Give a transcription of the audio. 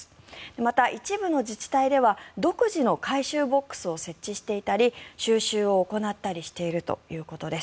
また、一部の自治体では独自の回収ボックスを設置していたり収集を行ったりしているということです。